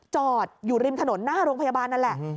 จอดอยู่ริมถนนหน้าโรงพยาบาลนั่นแหละ